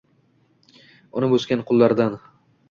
Unib-o‘sgan qullardan